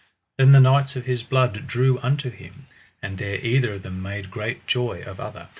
Then the knights of his blood drew unto him, and there either of them made great joy of other.